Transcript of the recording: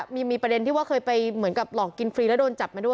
มีประเด็นที่ว่าเคยไปเหมือนกับหลอกกินฟรีแล้วโดนจับมาด้วย